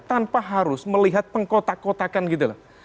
tanpa harus melihat pengkotak kotakan gitu loh